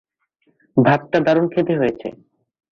ভাতটা দারুন খেতে হয়েছে।